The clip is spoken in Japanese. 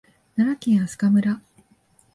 奈良県明日香村